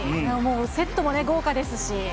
セットも豪華ですし。